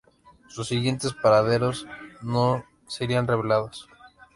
Sus siguientes paraderos no serían revelados.